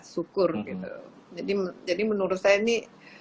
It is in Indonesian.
syukur gitu jadi menurut saya ini